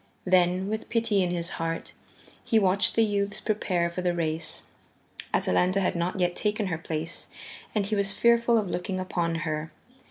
Then, with pity in his heart, he watched the youths prepare for the race. Atalanta had not yet taken her place, and he was fearful of looking upon her.